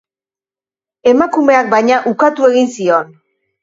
Emakumeak, baina, ukatu egin zion.